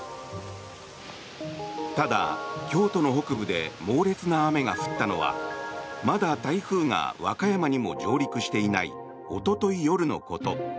ただ、京都の北部で猛烈な雨が降ったのはまだ台風が和歌山にも上陸していないおととい夜のこと。